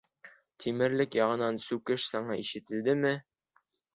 Тимерлек яғынан сүкеш сыңы ишетелдеме: